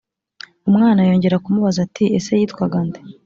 Umwana yongera kumubaza ati: "Ese yitwaga nde? "